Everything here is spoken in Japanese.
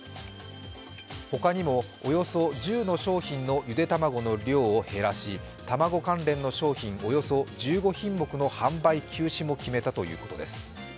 ほかにもおよそ１０の商品のゆで卵の量を減らし卵関連の商品およそ１５品目の販売休止も決めたということです。